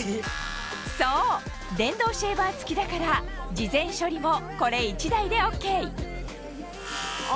そう電動シェーバー付きだから事前処理もこれ１台でＯＫあ